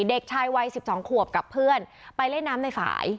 เด็กชายวัย๑๒ขวบกับเพื่อนไปเล่นน้ำในฝ่าย